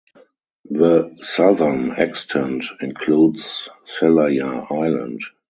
The southern extent includes Selayar island.